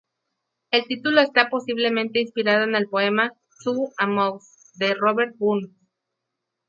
El título esta posiblemente inspirado en el poema "To a Mouse" de Robert Burns.